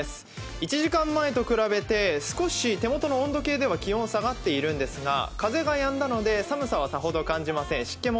１時間前と比べて、少し手元の温度計では気温が下がっているんですが、風がやんだので寒さはさほど感じません。